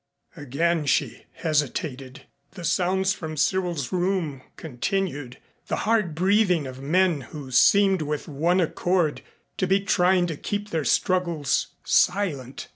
Again she hesitated. The sounds from Cyril's room continued, the hard breathing of men who seemed with one accord to be trying to keep their struggles silent.